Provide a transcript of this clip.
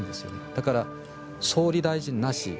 だから総理大臣なし。